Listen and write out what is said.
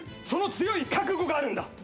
その強い覚悟があるんだ。